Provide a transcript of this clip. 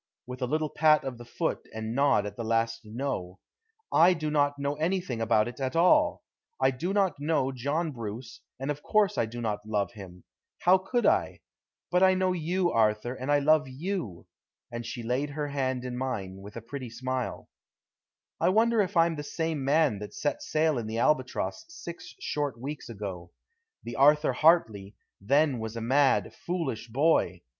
with a little pat of the foot and nod at the last "No." "I do not know anything about it at all. I do not know John Bruce, and of course I do not love him. How could I? But I know you, Arthur, and I love you," and she laid her hand in mine, with a pretty smile. I wonder if I'm the same man that set sail in the Albatross six short weeks ago? The Arthur Hartley then was a mad, foolish boy.